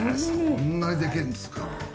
そんなにできるんですか。